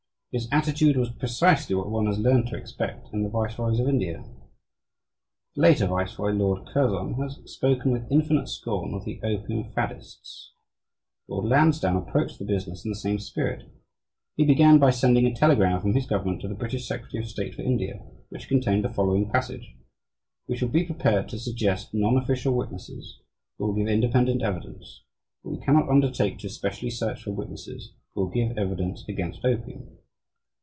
His attitude was precisely what one has learned to expect in the viceroys of India. A later viceroy, Lord Curzon, has spoken with infinite scorn of the "opium faddists." Lord Lansdowne approached the business in the same spirit. He began by sending a telegram from his government to the British Secretary of State for India, which contained the following passage: "We shall be prepared to suggest non official witnesses, who will give independent evidence, but we cannot undertake to specially search for witnesses who will give evidence against opium.